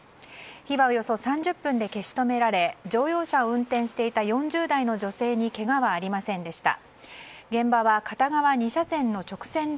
火はおよそ３０分で消し止められ乗用車を運転していた４０代の女性にけがはありませんでした。